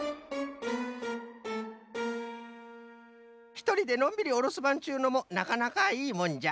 ひとりでのんびりおるすばんっちゅうのもなかなかいいもんじゃ。